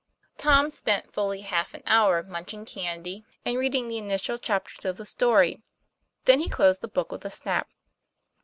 Tom spent fully half an hour munching candy and reading the initial chapters of the story ; then he closed the book with a snap.